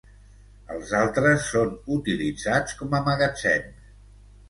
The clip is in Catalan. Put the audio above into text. Els altres són utilitzats com a magatzems.